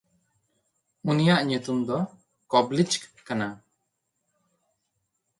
ᱩᱱᱤᱭᱟᱜ ᱧᱩᱛᱩᱢ ᱫᱚ ᱠᱚᱵᱞᱤᱪᱠ ᱠᱟᱱᱟ᱾